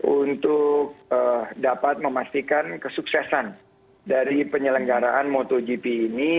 untuk dapat memastikan kesuksesan dari penyelenggaraan motogp ini